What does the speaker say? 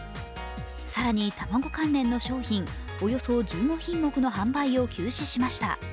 更に、卵関連の商品およそ１５品目の販売を休止しました。